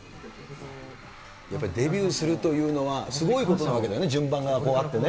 やっぱりデビューするというのは、すごいことなわけだよね、順番があってね。